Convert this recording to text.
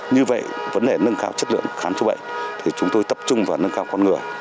như vậy vấn đề nâng cao chất lượng khám chữa bệnh thì chúng tôi tập trung vào nâng cao con người